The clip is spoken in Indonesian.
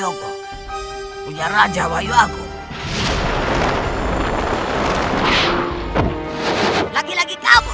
oleh itu saya dapatkan miput